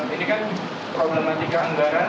ini kan problematika anggaran